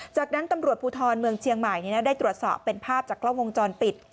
จากนั้นตำรวจภูทรเมืองเชียงใหม่ได้ตรวจสอบเป็นภาพจากกล้องวงจรปิด